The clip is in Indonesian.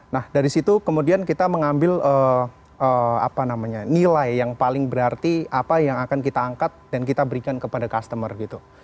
nah dari situ kemudian kita mengambil nilai yang paling berarti apa yang akan kita angkat dan kita berikan kepada customer gitu